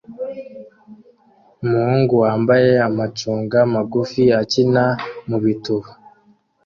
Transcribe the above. Umuhungu wambaye amacunga magufi akina mubituba